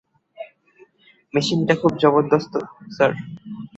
মেশিনটা খুব জবরদস্ত, স্যার।